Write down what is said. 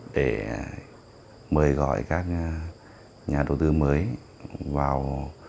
để mời gọi các nhà đầu tư mới vào